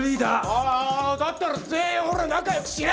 おいだったら全員ほら仲良く死ね！